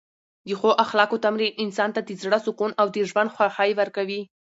د ښو اخلاقو تمرین انسان ته د زړه سکون او د ژوند خوښۍ ورکوي.